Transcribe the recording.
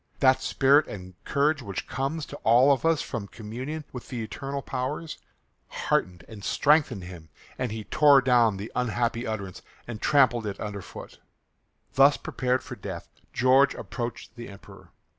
That spirit and courage which comes to all of us from communion with the eternal powers heartened and strengthened him, and he tore down the unhappy utterance and trampled it under foot. Thus prepared for death George approached the Emperor.